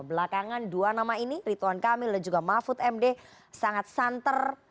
belakangan dua nama ini rituan kamil dan juga mahfud md sangat santer